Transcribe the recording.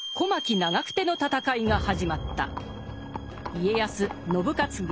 家康・信雄軍